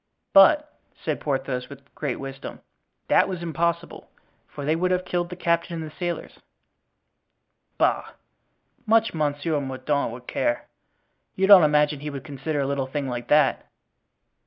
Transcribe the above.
"But," said Porthos, with great wisdom, "that was impossible, for they would have killed the captain and the sailors." "Bah! much Monsieur Mordaunt would care. You don't imagine he would consider a little thing like that?"